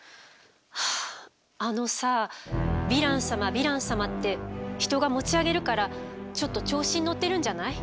あのさヴィラン様ヴィラン様って人が持ち上げるからちょっと調子に乗ってるんじゃない？